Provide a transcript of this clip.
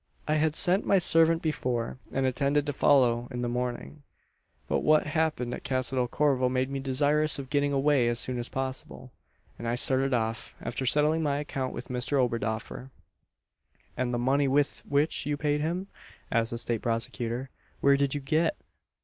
"I had sent my servant before, and intended to follow in the morning; but what happened at Casa del Corvo made me desirous of getting away as soon as possible; and I started off, after settling my account with Mr Oberdoffer." "And the money with which you paid him?" asks the State prosecutor, "where did you get